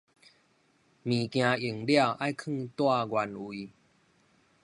物件用了，愛囥蹛原位